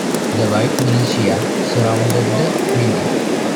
The white militia surrounded the building.